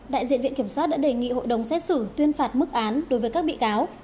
đại diện viện kiểm soát đã đề nghị hội đồng xét xử tuyên phạt mức án đối với các bị cáo